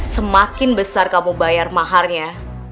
semakin besar kamu bayar maharnya